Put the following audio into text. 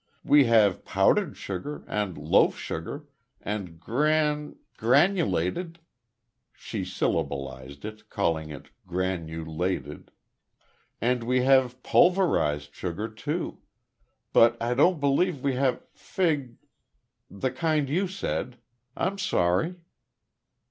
"We have powdered sugar, and loaf sugar, and gran granulated," she syllablized it, calling it "gran u lat ed" "and we have pulverized sugar, too. But I don't believe we have fig the kind you said.... I'm sorry."